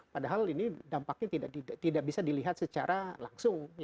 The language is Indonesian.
padahal ini dampaknya tidak bisa dilihat secara langsung